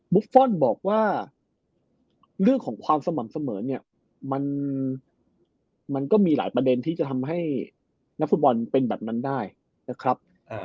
ฟอลบอกว่าเรื่องของความสม่ำเสมอเนี่ยมันก็มีหลายประเด็นที่จะทำให้นักฟุตบอลเป็นแบบนั้นได้นะครับ